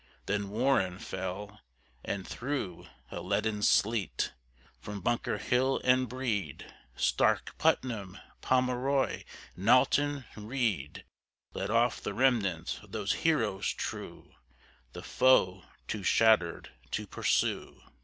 Then Warren fell; and through a leaden sleet, From Bunker Hill and Breed, Stark, Putnam, Pomeroy, Knowlton, Read, Led off the remnant of those heroes true, The foe too shattered to pursue.